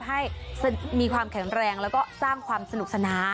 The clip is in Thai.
ให้มีความแข็งแรงแล้วก็สร้างความสนุกสนาน